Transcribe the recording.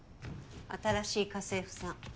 新しい家政婦さん。